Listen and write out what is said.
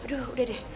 aduh udah deh